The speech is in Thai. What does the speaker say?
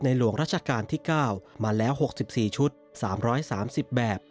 หลวงราชการที่๙มาแล้ว๖๔ชุด๓๓๐แบบ